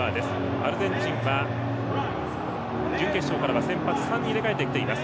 アルゼンチンは準決勝からは先発を３人入れ替えてきています。